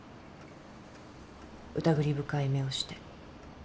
疑り深い目をして。